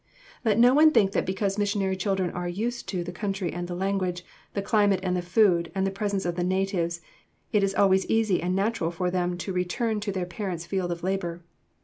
Let no one think that because missionary children are "used to" the country and the language, the climate and food and presence of the "natives," it is always easy and natural for them to return to their parents' field of labor.